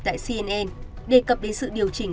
tại cnn đề cập đến sự điều chỉnh